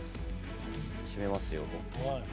閉めますよ。